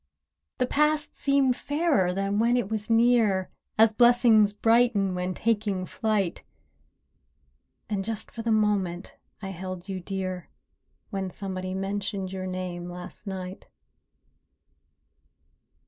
The past seemed fairer than when it was near, As "blessings brighten when taking flight;" And just for the moment I held you dear— When somebody mentioned your name last night.